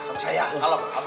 oh gitu lah